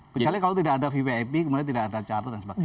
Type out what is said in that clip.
kecuali kalau tidak ada vvip kemudian tidak ada catat dan sebagainya